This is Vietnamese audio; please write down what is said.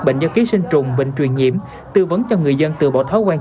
bệnh do ký sinh trùng bệnh truyền nhiễm tư vấn cho người dân tự bỏ thói quang